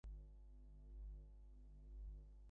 দুর্গা ততক্ষণে দৌড়িয়া গিয়া অপুর কাছে পৌঁছিল।